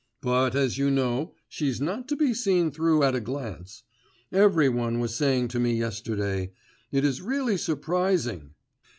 But, as you know, she's not to be seen through at a glance! Every one was saying to me yesterday: it is really surprising!